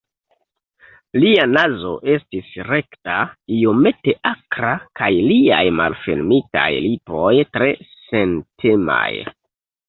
Lia nazo estis rekta, iomete akra kaj liaj malfermitaj lipoj tre sentemaj.